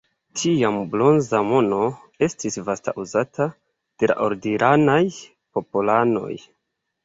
Tiam bronza mono estis vasta uzata de la ordinaraj popolanoj.